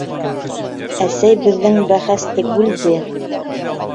Әсәй беҙҙең бәхәсте бүлде: